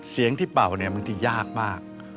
เสียงที่เป่ามันที่ยากมาก